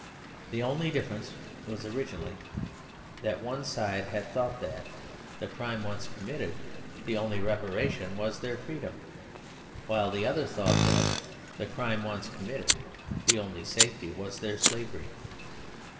The only difference was originally that one side thought that, the crime once committed, the only reparation was their freedom; while the other thought that, the crime once committed, the only safety was their slavery.